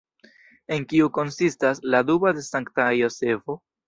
En kiu konsistas ‘’’la dubo de Sankta Jozefo’’’?